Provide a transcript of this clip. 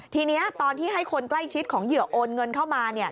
ทีนี้ตอนที่ให้คนใกล้ชิดของเหยื่อโอนเงินเข้ามา